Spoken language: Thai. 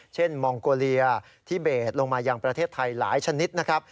มองโกเลียที่เบสลงมายังประเทศไทยหลายชนิดนะครับ